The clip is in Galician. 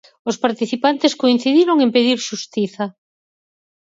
Os participantes coincidiron en pedir xustiza.